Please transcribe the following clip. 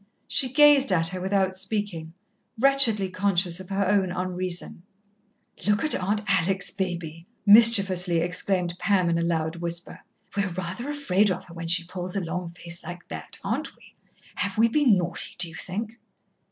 She gazed at her without speaking, wretchedly conscious of her own unreason. "Look at Aunt Alex, Baby!" mischievously exclaimed Pam in a loud whisper. "We're rather afraid of her when she pulls a long face like that, aren't we? Have we been naughty, do you think?"